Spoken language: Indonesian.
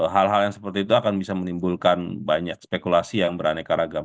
hal hal yang seperti itu akan bisa menimbulkan banyak spekulasi yang beraneka ragam